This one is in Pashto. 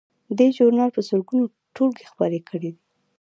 دې ژورنال په سلګونو ټولګې خپرې کړې دي.